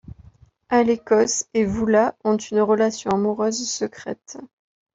Alekos et Voula ont une relation amoureuse secrète.